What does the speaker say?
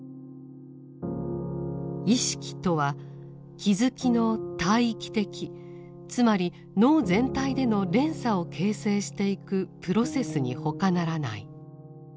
意識とは気づきの大域的つまり脳全体での連鎖を形成していくプロセスに他ならない。